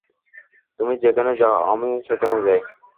তূমি যেখানেই যাও, আমিও সেখানে যাই।